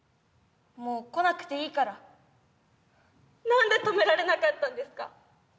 もう来なくていいから。何で止められなかったんですか？